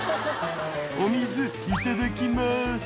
「お水いただきます」